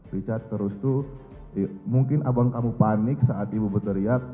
richard terus tuh mungkin abang kamu panik saat ibu berteriak